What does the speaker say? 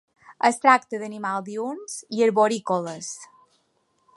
Es tracta d'animals diürns i arborícoles.